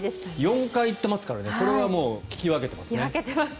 ４回行ってますからこれはもう聞き分けてますね。